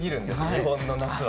日本の夏は。